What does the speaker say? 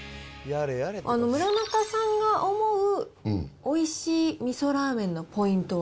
村中さんが思うおいしい味噌ラーメンのポイントは？